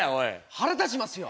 腹立ちますよ。